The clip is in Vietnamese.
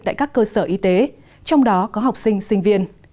tại các cơ sở y tế trong đó có học sinh sinh viên